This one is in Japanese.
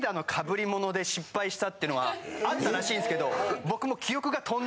したってのがあったらしいんですけど僕も。